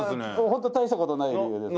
ホント大した事ない理由です。